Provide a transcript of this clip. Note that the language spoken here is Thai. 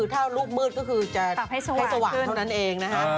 ถ้ารูปมืดก็คือจะให้สว่างเท่านั้นเองนะฮะ